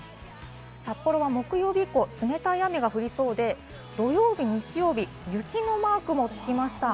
札幌は木曜日以降、冷たい雨が降りそうで、土曜日、日曜日、雪のマークもつきました。